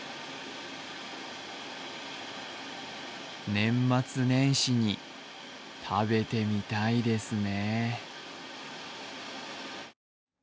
年末年始に食べてみたいですね。